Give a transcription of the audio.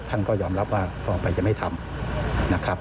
ท่านก็ยอมรับว่าต่อไปจะไม่ทำนะครับ